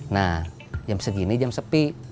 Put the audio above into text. nah jam segini jam sepi